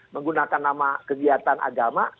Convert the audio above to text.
menggunakan nama kegiatan agama